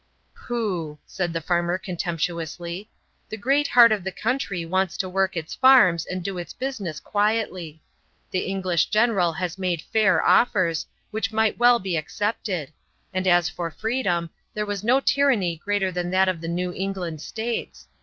"Pooh!" said the farmer contemptuously. "The great heart of the country wants to work its farms and do its business quietly. The English general has made fair offers, which might well be accepted; and as for freedom, there was no tyranny greater than that of the New England States.